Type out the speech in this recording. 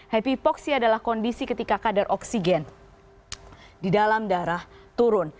happy hpoksi adalah kondisi ketika kadar oksigen di dalam darah turun